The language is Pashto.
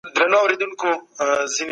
که خواړه پاک نه وي، مکروبونه پکې پیدا کیږي.